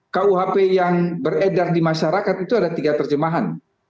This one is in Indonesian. kuhp yang beredar di masyarakat itu ada tiga terjemahan